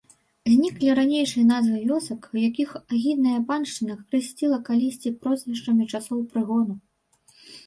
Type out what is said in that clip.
Зніклі ранейшыя назвы вёсак, якіх агідная паншчына хрысціла калісьці прозвішчамі часоў прыгону.